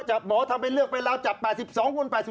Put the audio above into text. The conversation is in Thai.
จับหมอทำเป็นเรื่องไปร้าวจับ๘๒คน